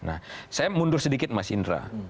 nah saya mundur sedikit mas indra